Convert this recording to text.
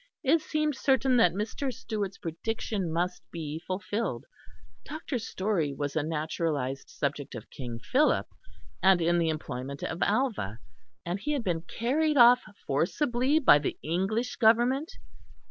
It seemed certain that Mr. Stewart's prediction must be fulfilled. Dr. Storey was a naturalised subject of King Philip and in the employment of Alva, and he had been carried off forcibly by the English Government.